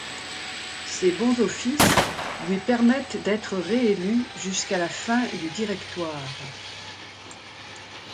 Ses bons offices lui permettent d'être réélu jusqu'à la fin du Directoire.